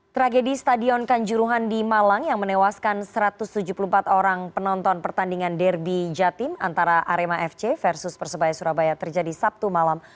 tragedi stadion kanjuruhan di malang yang menewaskan satu ratus tujuh puluh empat orang penonton pertandingan derby jatim antara arema fc versus persebaya surabaya terjadi sabtu malam